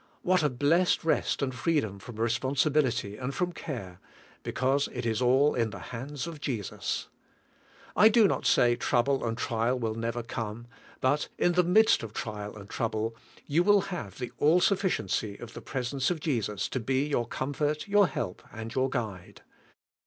What a blessed rest and freedom from responsibility and from care, be cause it is all in the hands of Jesus! I do not say trouble and trial' will never come; but in the midst of trial and trouble you will have the all sufficiency of the presence of Jesus to be your comfort, your THE COMPLETE SURRENDER 109 help, and your guide.